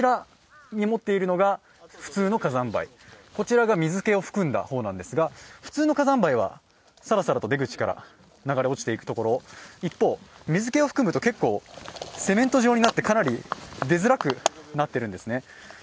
左が普通の火山灰、こちらが水けを含んだ方なんですが普通の火山灰はサラサラと出口から流れていくところ、一方、水けを含むと結構、セメント状になってかなり出づらくなっているんですね。